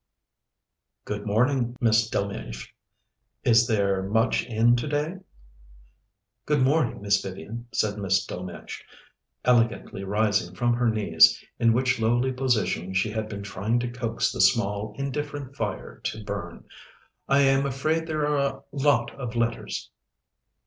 "Good morning, Miss Delmege. Is there much in today?" "Good morning, Miss Vivian," said Miss Delmege, elegantly rising from her knees, in which lowly position she had been trying to coax the small, indifferent fire to burn. "I am afraid there are a lot of letters."